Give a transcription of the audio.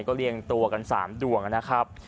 ก็เรียงตัวกัน๓ดวงนะครับ